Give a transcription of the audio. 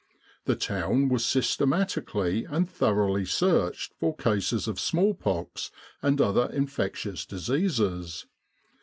The town was systematically and thoroughly searched for cases of smallpox and other infectious diseases.